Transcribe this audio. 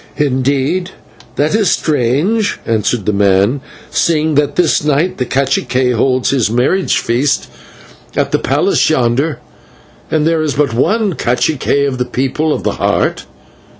"Indeed! That is strange," answered the man, "seeing that this night the /cacique/ holds his marriage feast at the palace yonder, and there is but one /cacique/ of the People of the Heart!